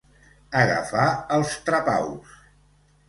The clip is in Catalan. Agafar els trapaus.